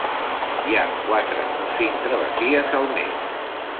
Hi ha quatre o cinc travessies al mes.